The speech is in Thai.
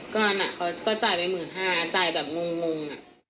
ก็อันนั้นเขาก็จ่ายไป๑๕๐๐๐จ่ายแบบงง